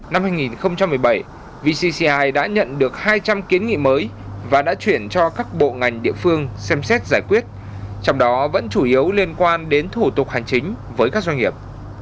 năm hai nghìn một mươi bảy vcci đã nhận được hai trăm linh kiến nghị mới và đã chuyển cho các bộ ngành địa phương xem xét giải quyết trong đó vẫn chủ yếu liên quan đến thủ tục hành chính với các doanh nghiệp